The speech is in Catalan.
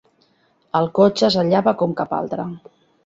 El cotxe sallava com cap altre.